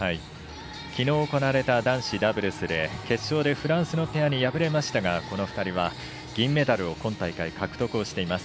きのう、行われた男子ダブルスで決勝でフランスのペアに敗れましたがこの２人は銀メダルを今大会獲得しています。